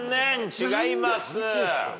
違います。